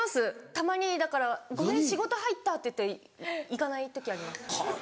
たまにだから「ごめん仕事入った」って言って行かない時あります。